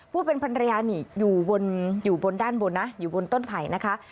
ผู้เป็นพันรยานี่อยู่บนด้านบนนะอยู่บนต้นไผ่นะคะ